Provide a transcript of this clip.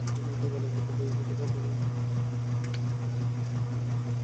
নয়তো এবারের মতো বইয়ের মুদ্রণ-বাঁধাইয়ের মান খারাপ হওয়া ঠেকানো যাবে না।